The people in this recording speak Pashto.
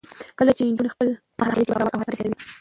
کله چې نجونې خپل مهارت شریک کړي، باور او همکاري زیاتېږي.